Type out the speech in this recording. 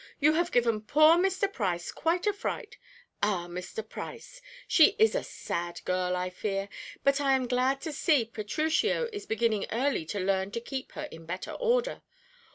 You have given poor Mr. Price quite a fright. Ah, Mr. Price, she is a sad girl, I fear, but I am glad to see Petruchio is beginning early to learn to keep her in better order.